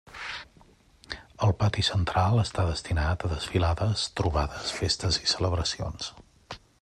El pati central està destinat a desfilades, trobades, festes i celebracions.